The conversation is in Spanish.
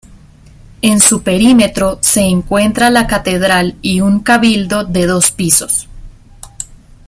En su perímetro se encuentra la catedral y un cabildo de dos pisos.